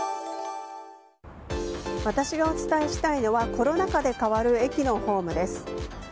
私がお伝えしたいのはコロナ禍で変わる駅のホームです。